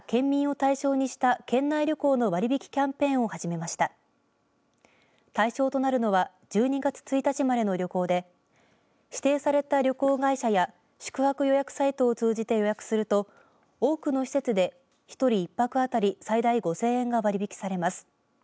対象となるのは１２月１日までの旅行で指定された旅行会社や宿泊予約サイトを通じて予約すると多くの施設で１人１泊あたり最大５０００円が割り引きされます。